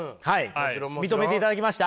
もちろんもちろん。認めていただきました？